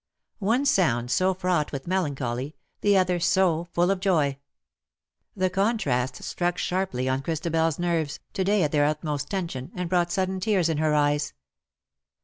One sound so fraught with melancholy, the other so full of joy ! The contrast struck sharply on ChristabePs nerves, to day at their utmost tension, and brought sudden tears in her eyes.